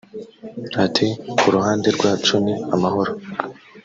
Ati” Ku ruhande rwacu ni amahoro